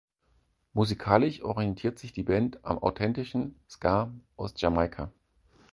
Musikalisch orientiert sich die Band am authentischen Ska aus Jamaika.